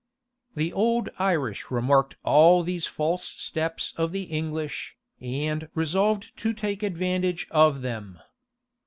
[*] The old Irish remarked all these false steps of the English, and resolved to take advantage of them.